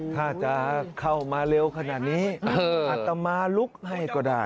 ถ้าจะเข้ามาเร็วขนาดนี้อัตมาลุกให้ก็ได้